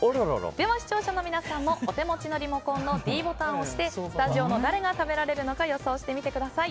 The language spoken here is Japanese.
視聴者の皆さんもお手持ちのリモコンのｄボタンを押してスタジオの誰が食べられるのか予想してみてください。